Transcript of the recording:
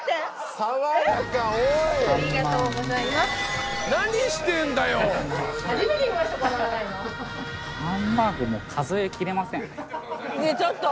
ハンバーグも数えきれません。